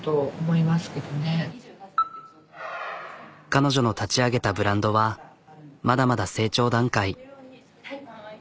彼女の立ち上げたブランドはまだまだ成長段階。